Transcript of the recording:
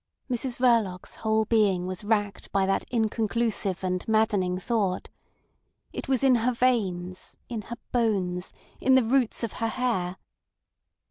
Mrs Verloc's whole being was racked by that inconclusive and maddening thought. It was in her veins, in her bones, in the roots of her hair.